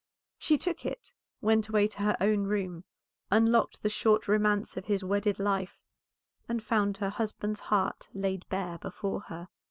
She took it, went away to her own room, unlocked the short romance of his wedded life, and found her husband's heart laid bare before her.